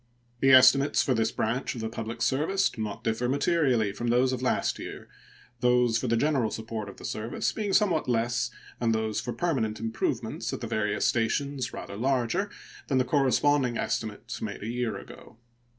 The estimates for this branch of the public service do not differ materially from those of last year, those for the general support of the service being somewhat less and those for permanent improvements at the various stations rather larger than the corresponding estimate made a year ago.